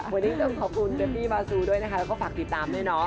วันนี้ต้องขอบคุณเบบี้บาซูด้วยนะคะแล้วก็ฝากติดตามด้วยเนาะ